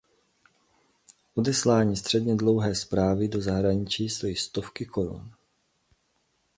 Odeslání středně dlouhé zprávy do zahraničí stojí stovky korun.